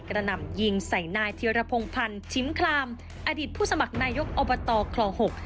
หนำยิงใส่นายเทียรพงพันธ์ชิมคลามอดีตผู้สมัครนายกอบตคลองหก